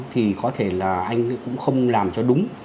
thì có thể là anh cũng không làm cho đúng